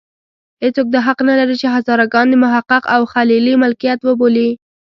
هېڅوک دا حق نه لري چې هزاره ګان د محقق او خلیلي ملکیت وبولي.